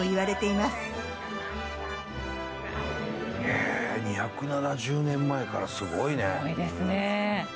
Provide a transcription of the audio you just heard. へえ２７０年前からすごいねすごいですね